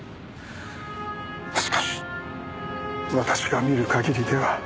しかし私が見る限りでは。